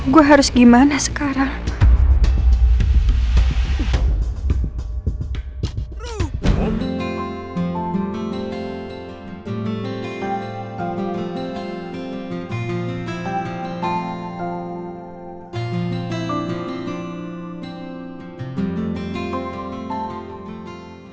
gue harus gimana sekarang